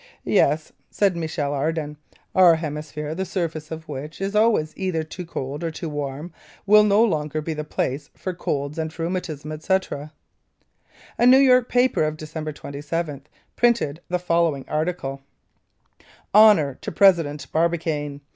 "Yes," said Michel Ardan, "our hemisphere, the surface of which is always either too cold or too warm, will no longer be the place for colds and rheumatism, etc." A New York paper of Dec. 27 printed the following article: "Honor to President Barbicane!